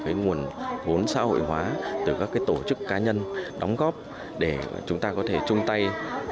cái nguồn vốn xã hội hóa từ các cái tổ chức cá nhân đóng góp để chúng ta có thể chung tay